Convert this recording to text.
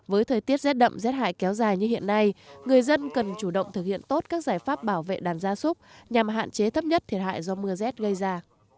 với thời tiết rét đậm rét hại kéo dài như hiện nay người dân cần chủ động thực hiện tốt các giải pháp bảo vệ đàn gia súc nhằm hạn chế thấp nhất thiệt hại do mưa rét gây ra